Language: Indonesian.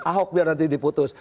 ahok biar nanti diputus